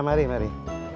ya mari mari